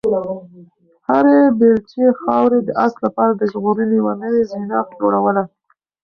هرې بیلچې خاورې د آس لپاره د ژغورنې یوه نوې زینه جوړوله.